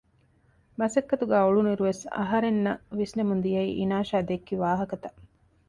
މަސައްކަތުގައި އުޅުންއިރުވެސް އަހަރެންނަށް ވިސްނެމުން ދިޔައީ އިނާޝާ ދެއްކި ވާހަކަތައް